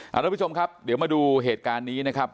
ทุกผู้ชมครับเดี๋ยวมาดูเหตุการณ์นี้นะครับ